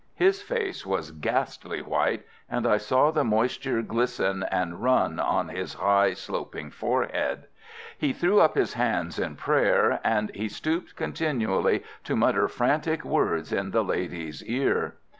His face was ghastly white, and I saw the moisture glisten and run on his high, sloping forehead. He threw up his hands in prayer, and he stooped continually to mutter frantic words in the lady's ear.